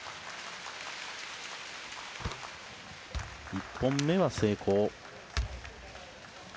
１本目は成功。